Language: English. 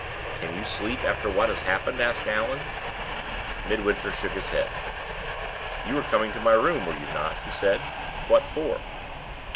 "Can you sleep after what has happened?" asked Allan. Midwinter shook his head. "You were coming to my room, were you not?" he said. "What for?"